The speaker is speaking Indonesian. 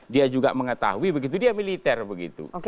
dia juga mengetahui begitu dia militer begitu